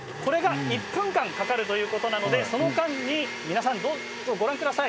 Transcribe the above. １分間かかるということなのでその間に、ご覧ください。